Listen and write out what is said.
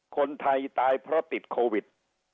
คนไทยตายเพราะติดโควิด